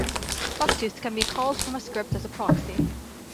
Bucktooth can be called from a script as a proxy.